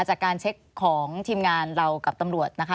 จากการเช็คของทีมงานเรากับตำรวจนะคะ